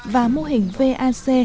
và mô hình vac